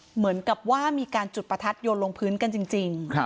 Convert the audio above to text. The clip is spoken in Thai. เหมือนกับว่ามีการจุดประทัดโยนลงพื้นกันจริง